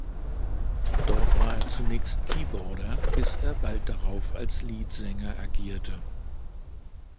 Dort war er zunächst Keyboarder, bis er bald darauf als Leadsänger agierte.